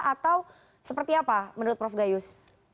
atau seperti apa menurut prof gayus